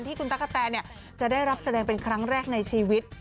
คุณตั๊กกะแตนจะได้รับแสดงเป็นครั้งแรกในชีวิต